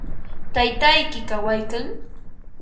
¿Taytayki kawaykan?